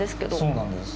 そうなんです。